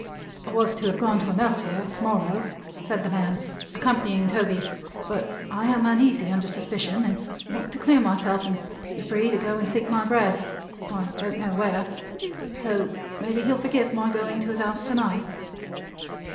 "I was to have gone to him elsewhere to morrow," said the man, accompanying Toby, "but I am uneasy under suspicion, and want to clear myself and to be free to go and seek my bread I don't know where. So, maybe he'll forgive my going to his house to night."